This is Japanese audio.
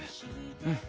うん。